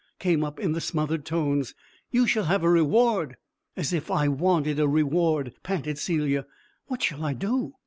came up in the smothered tones. "You shall have a reward." "As if I wanted a reward!" panted Celia. "What shall I do?